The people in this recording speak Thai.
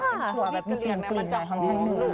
เป็นถั่วแบบมีกลิ่นของทางเหนือ